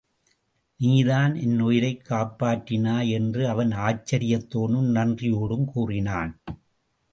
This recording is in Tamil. நீதான் என் உயிரைக் காப்பாற்றினாய் என்று அவன் ஆச்சரியத்தோடும் நன்றியோடும் கூறினான்.